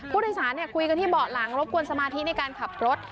ผู้โดยสารคุยกันที่เบาะหลังรบกวนสมาธิในการขับรถ